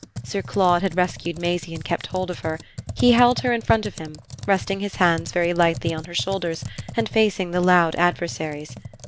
Sir Claude had rescued Maisie and kept hold of her; he held her in front of him, resting his hands very lightly on her shoulders and facing the loud adversaries.